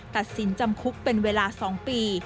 ตัดสินจำคุกเป็นเวลา๒ปี